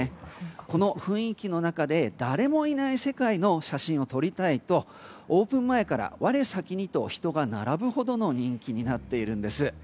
この雰囲気の中で誰もいない世界の写真を撮りたいとオープン前から我先にと人が並ぶほどの人気になっているんです。